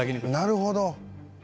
なるほど。